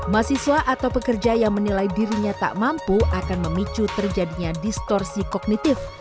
mahasiswa atau pekerja yang menilai dirinya tak mampu akan memicu terjadinya distorsi kognitif